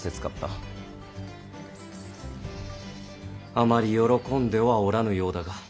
あまり喜んではおらぬようだが。